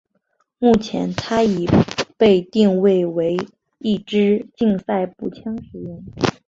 目前它已被定位为一枝竞赛步枪使用。